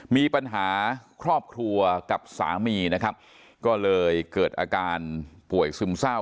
มีปัญหาครอบครัวกับสามีนะครับก็เลยเกิดอาการป่วยซึมเศร้า